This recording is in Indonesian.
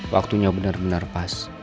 waktunya benar benar pas